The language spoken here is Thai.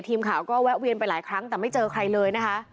ทีมข่าวก็แวะเวียนไปหลายครั้งแต่ไม่เจอใครเลยนะคะ